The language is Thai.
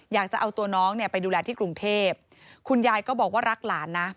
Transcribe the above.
อยากจะเอาตัวน้องเนี่ยไปดูแลที่กรุงเทพคุณยายก็บอกว่ารักหลานนะ